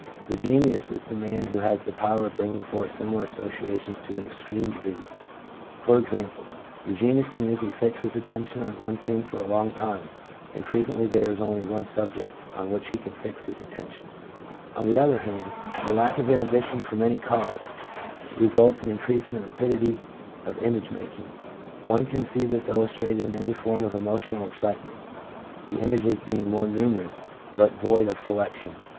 The genius is the man who has the power of bringing forth similar associations to an extreme degree — i.e., the genius can usually fix his attention on one thing for a long time, and frequently there is only one subject on which he can fix his attention. On the other hand, the lack of inhibition from any cause, results in 1 W. James, Psychology, vol. ii. p. 68. INTELLECT (NOT INCLUDING MEMORY). Sy ■increasing the rapidity of image making. One can see this illustrated in any form of emotional excite ment, the images being more numerous, but void of selection.